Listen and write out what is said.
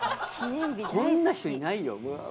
こんな人いないよ。